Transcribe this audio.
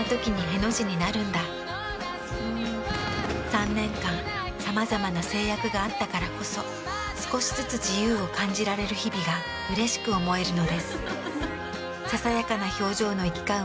３年間さまざまな制約があったからこそ少しずつ自由を感じられる日々がうれしく思えるのです。